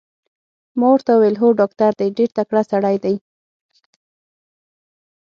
ما ورته وویل: هو ډاکټر دی، ډېر تکړه سړی دی.